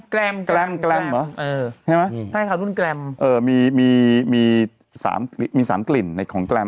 เกลมเหรอใช่ไหมใช่ที่เข้านู่นเกลมเออมี๓กลิ่นของเกลม